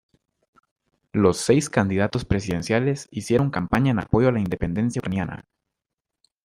Los seis candidatos presidenciales hicieron campaña en apoyo a la independencia ucraniana.